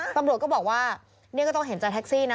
ตำรวจก็บอกว่านี่ก็ต้องเห็นใจแท็กซี่นะ